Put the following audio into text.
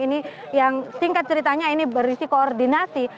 ini yang singkat ceritanya ini berisi koordinasi